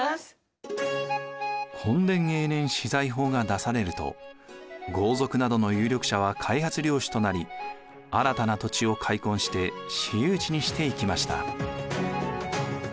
墾田永年私財法が出されると豪族などの有力者は開発領主となり新たな土地を開墾して私有地にしていきました。